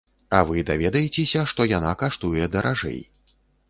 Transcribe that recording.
А вы даведаецеся, што яна каштуе даражэй.